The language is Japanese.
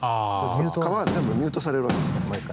革が全部ミュートされるわけです毎回。